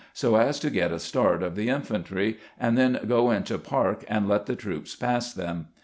so as to get a start of the infantry, and then go into park and let the troops pass them.